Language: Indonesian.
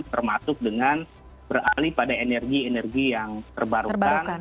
termasuk dengan beralih pada energi energi yang terbarukan